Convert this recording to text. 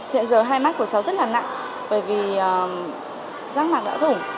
hiện giờ hai mắt của cháu rất là nặng bởi vì răng mặt đã thủng